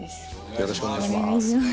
よろしくお願いします。